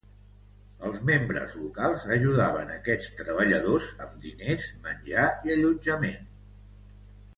Els membres locals ajudaven aquests treballadors amb diners, menjar i allotjament.